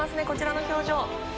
こちらの表情。